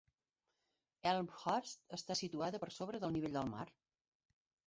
Elmhurst està situada per sobre del nivell del mar.